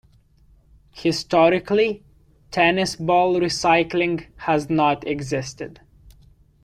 Historically, tennis ball recycling has not existed.